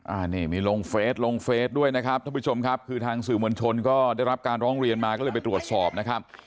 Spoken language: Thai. อันนี้มีลงเฟสลงเฟสด้วยนะครับท่านผู้ชมครับคือทางสื่อมวลชนก็ได้รับการร้องเรียนมาก็เลยไปตรวจสอบนะครับ